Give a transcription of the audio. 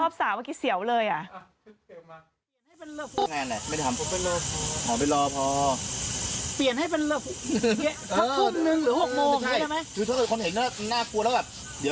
ครอบสาวเมื่อกี้เสี่ยวเลย